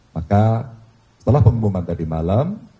maka setelah pengumuman tadi malam